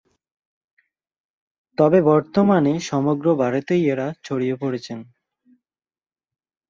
তবে বর্তমানে সমগ্র ভারতেই এরা ছড়িয়ে পড়েছেন।